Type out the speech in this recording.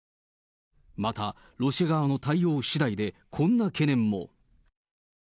また、ロシア側の対応しだいでこんな懸念も。